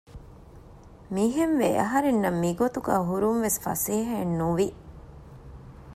މިހެންވެ އަހަރެންނަށް މިގޮތުގައި ހުރުން ވެސް ފަސޭހައެއް ނުވި